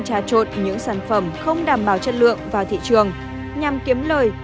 trà trộn những sản phẩm không đảm bảo chất lượng vào thị trường nhằm kiếm lời